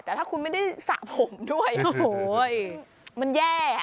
แต่ถ้าคุณไม่ได้สระผมด้วยโห้ยมันแย่อ่ะค่ะ